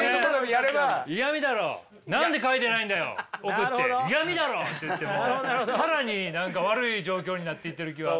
送って「イヤミだろ！」って言ってもう更に何か悪い状況になっていってる気は。